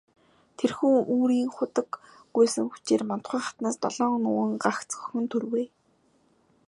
Тэрхүү үрийн хутаг гуйсан хүчээр Мандухай хатнаас долоон нуган, гагц охин төрвэй.